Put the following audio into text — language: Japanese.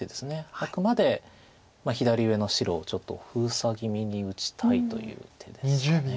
あくまで左上の白をちょっと封鎖気味に打ちたいという手ですか。